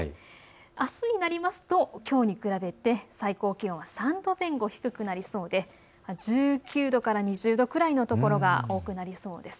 あすになりますときょうに比べて最高気温は３度前後低くなりそうで１９度から２０度くらいの所が多くなりそうです。